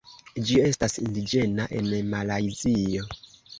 Ĝi estas indiĝena en Malajzio.